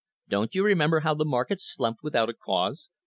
Don't you remember how the market slumped without a cause?